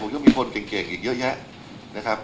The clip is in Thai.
ก็มีคนเก่งอีกเยอะแยะนะครับ